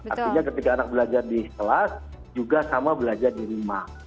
artinya ketika anak belajar di kelas juga sama belajar di rumah